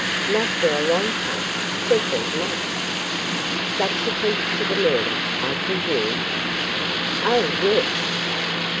"Not for a long time several months." "Subsequent to the murder, I presume?" "Oh, yes!"